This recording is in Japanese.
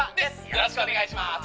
よろしくお願いします」